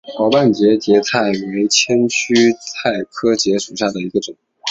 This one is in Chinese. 薄瓣节节菜为千屈菜科节节菜属下的一个种。